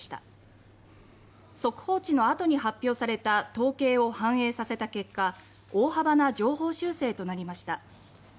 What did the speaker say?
速報値の後に発表された統計を反映させた結果大幅な上方修正となりました。